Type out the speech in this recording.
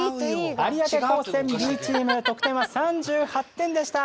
有明高専Ｂチームの得点は３８点でした！